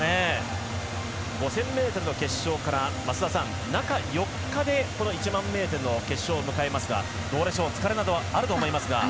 ５０００ｍの決勝から中４日で１００００ｍの決勝を迎えますがどうでしょう、疲れなどはあると思いますが。